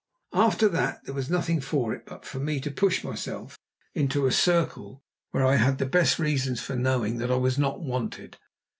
After that there was nothing for it but for me to push myself into a circle where I had the best reasons for knowing that I was not wanted.